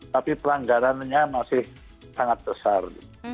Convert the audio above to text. tapi pelanggarannya masih sangat besar